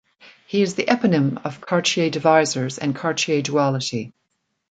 He is the eponym of Cartier divisors and Cartier duality.